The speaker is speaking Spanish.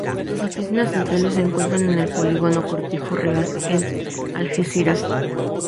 Sus oficinas centrales se encuentran en el polígono Cortijo Real en Algeciras.